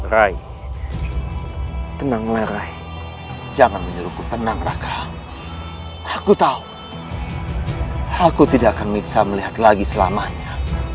rai tenang lereh jangan menyuruhku tenang raka aku tahu aku tidak akan bisa melihat lagi selamanya